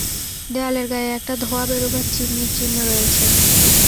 দেয়ালের গায়ে একটা ধােয়া বেরুবার চিমনির চিহ্ন রয়েছে।